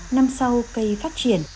năm sau cây phát triển